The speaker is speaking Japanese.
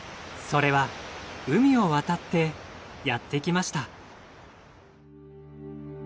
それは海を渡ってやってきました。